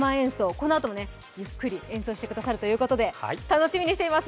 このあともゆっくり演奏してくださるということで楽しみにしています。